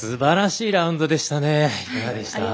いかがでした？